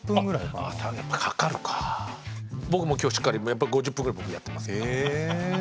僕もしっかり５０分ぐらい僕やってますもん。